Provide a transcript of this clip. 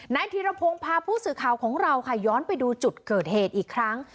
ธีรพงศ์พาผู้สื่อข่าวของเราค่ะย้อนไปดูจุดเกิดเหตุอีกครั้ง